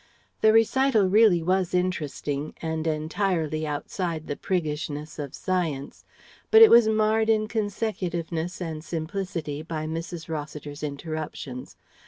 ] The recital really was interesting and entirely outside the priggishness of Science, but it was marred in consecutiveness and simplicity by Mrs. Rossiter's interruptions.